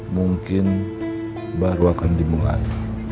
mungkin baru akan dimulai